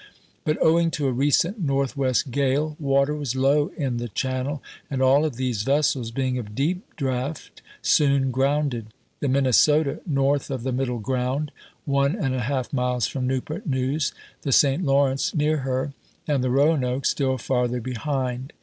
But owing to a recent northwest gale, water was low in the channel, and all of these vessels, being of deep draft, soon grounded — the Minnesota north of the middle ground, one and a half miles from Newport News, the St. Latvrence near her, and the Boanoke still farther behind.